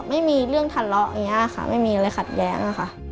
ไม่มีเรื่องทะเลาะไม่มีอะไรขัดแย้ง